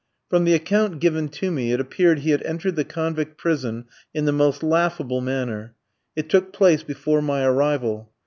From the account given to me it appeared he had entered the convict prison in the most laughable manner (it took place before my arrival).